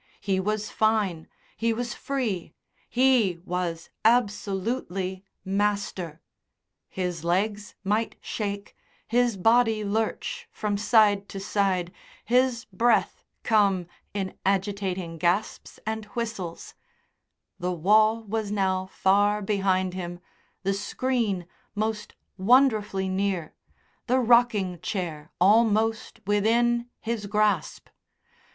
He was fine, he was free, he was absolutely master. His legs might shake, his body lurch from side to side, his breath come in agitating gasps and whistles; the wall was now far behind him, the screen most wonderfully near, the rocking chair almost within his grasp.